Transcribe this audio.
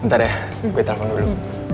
bentar ya gue telepon dulu